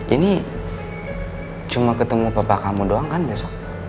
ini cuma ketemu bapak kamu doang kan besok